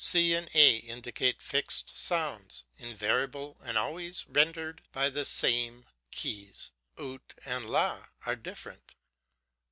C and A indicate fixed sounds, invariable and always rendered by the same keys; Ut and La are different.